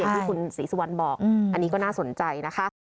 อย่างที่คุณศรีสะวันบอกอันนี้ก็น่าสนใจนะคะ